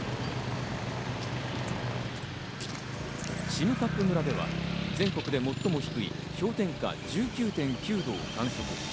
占冠村では全国で最も低い氷点下１９．９度を観測。